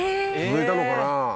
続いたのかな？